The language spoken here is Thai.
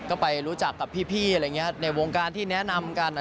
ก็ไปรู้จักกับพี่อะไรอย่างนี้ในวงการที่แนะนำกัน